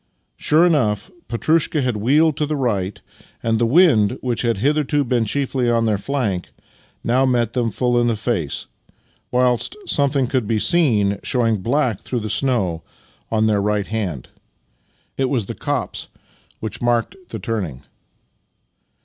Sure enough, Petrushka had wheeled to the right, and the wind, which had hitherto been chiefly on their flank, now met them full in the face, whilst something could be seen showing black through the snow on their right hand. It was the copse which marked the turning.